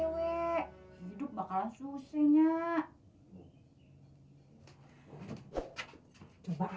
iya dah yang penting komisinya raya